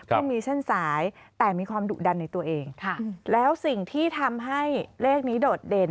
ไม่มีเส้นสายแต่มีความดุดันในตัวเองแล้วสิ่งที่ทำให้เลขนี้โดดเด่น